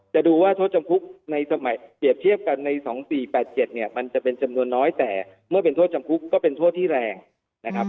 จะดูว่าทศสทำคุกในสมัยเกี่ยวเทียบกันให้ตอน๒๔๘๗มันจะเป็นจำนวนน้อยแต่เมื่อทศสทำคุกก็เป็นทศทีแรงนะครับ